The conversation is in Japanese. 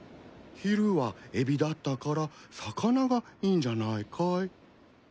昼はエビだったから魚がいいんじゃないかい？